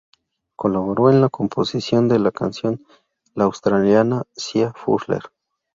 Colaboró en la composición de la canción, la australiana Sia Furler.